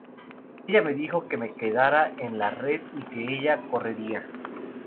Ella me dijo que me quedara en la red y que ella correría"".